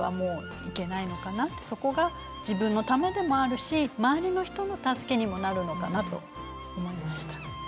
そこが自分のためでもあるし周りの人の助けにもなるのかなと思いました。